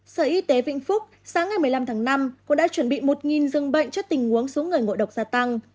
sở y tế vĩnh phúc sáng ngày một mươi năm tháng năm cũng đã chuẩn bị một dương bệnh chất tình uống xuống người ngội độc gia tăng